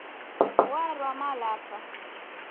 Warwa Malapa.